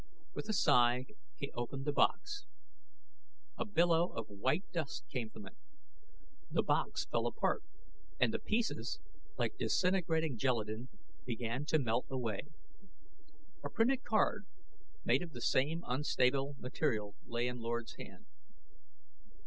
With a sigh he opened the box. A billow of white dust came from it. The box fell apart and the pieces, like disintegrating gelatine, began to melt away. A printed card, made of the same unstable material, lay in Lord's hand.